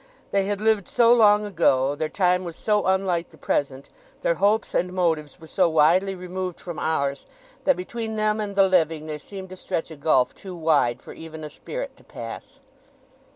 They had lived so long ago, their time was so unlike the present, their hopes and motives were so widely removed from ours, that between them and the living there seemed to stretch a gulf too wide for even a spirit to pass.